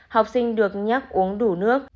học sinh được nhắc uống đủ nước